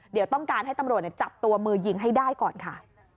เดี๋ยวต้องการให้ตำรวจจับตัวมือยิงให้ได้ก่อนค่ะ